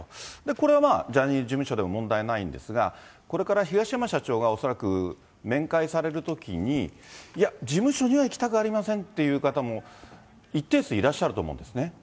これはまあ、ジャニーズ事務所でも問題ないんですが、これから東山社長が恐らく面会されるときに、いや、事務所には行きたくありませんっていう方も一定数いらっしゃると思うんですね。